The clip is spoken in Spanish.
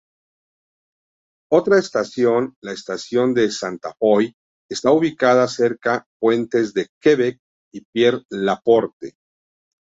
Otra estación, la estación de Santa-Foy, está ubicada cerca puentes de Quebec y Pierre-Laporte.